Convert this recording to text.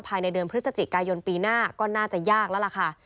ภายในเดือนพฤศจิกายนปีหน้าก็น่าจะยากแล้วล่ะค่ะ